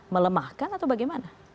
melemahkan atau bagaimana